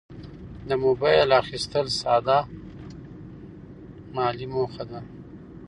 د موبایل اخیستل ساده مالي موخه ده.